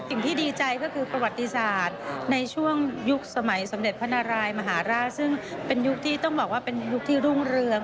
ดีใจก็คือประวัติศาสตร์ในช่วงยุคสมัยสมเด็จพระนารายมหาราชซึ่งเป็นยุคที่ต้องบอกว่าเป็นยุคที่รุ่งเรือง